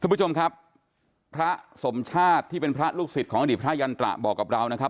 คุณผู้ชมครับพระสมชาติที่เป็นพระลูกศิษย์ของอดีตพระยันตระบอกกับเรานะครับ